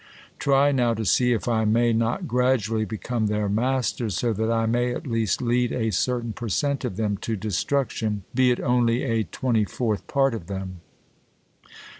Try now to see if I may not gradually become their master, so that I may at least lead a certain per cent of them to destruction, be it only a twenty fourth part of them."